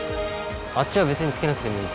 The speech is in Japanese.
あっちは別につけなくてもいい。